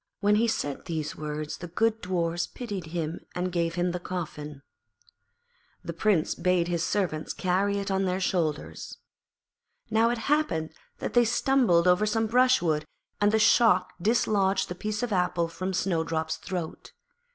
When he had said these words the good Dwarfs pitied him and gave him the coffin. The Prince bade his servants carry it on their shoulders. Now it happened that they stumbled over some brushwood, and the shock dislodged the piece of apple from Snowdrop's throat.